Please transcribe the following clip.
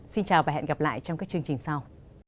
xin chào và hẹn gặp lại trong các chương trình sau